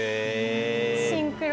シンクロ。